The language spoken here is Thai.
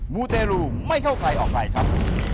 มูเตรูไม่เข้าใครออกใครครับ